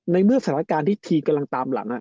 ในเมื่อสถานการณ์ที่ทีมกำลังตามหลัง